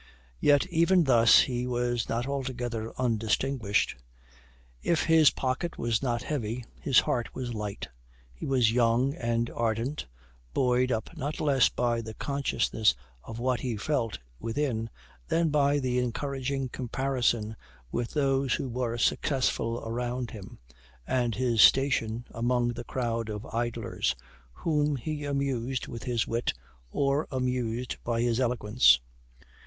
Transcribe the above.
Yet even thus he was not altogether undistinguished. If his pocket was not heavy, his heart was light he was young and ardent, buoyed up not less by the consciousness of what he felt within, than by the encouraging comparison with those who were successful around him, and his station among the crowd of idlers, whom he amused with his wit or amused by his eloquence.